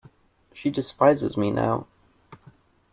She despises me now.